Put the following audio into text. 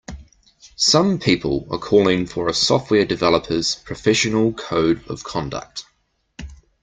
Some people are calling for a software developers' professional code of conduct.